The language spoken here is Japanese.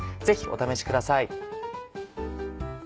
ぜひお試しください。